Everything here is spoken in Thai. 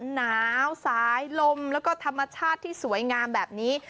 หนาวสายลมแล้วก็ธรรมชาติที่สวยงามแบบนี้